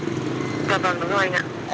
dạ vâng đúng rồi anh ạ